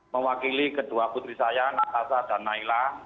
mewakili kedua putri saya natasa dan naila